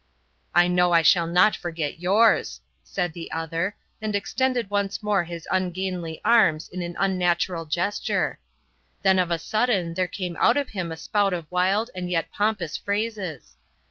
"I know I shall not forget yours," said the other, and extended once more his ungainly arms in an unnatural gesture. Then of a sudden there came out of him a spout of wild and yet pompous phrases.